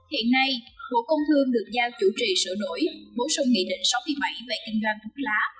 hiện nay bộ công thương được giao chủ trì sửa đổi bổ sung nghị định sáu mươi bảy về kinh doanh thuốc lá